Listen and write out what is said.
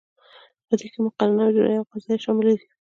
په دې کې مقننه او اجراییه او قضاییه شاملې دي.